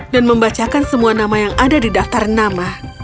dan membacakan semua nama yang ada di daftar nama